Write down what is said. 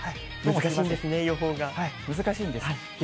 難しいんですね、予報が。難しいんです。